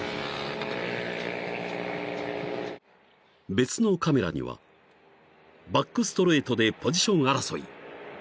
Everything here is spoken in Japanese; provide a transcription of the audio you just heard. ［別のカメラにはバックストレートでポジション争い］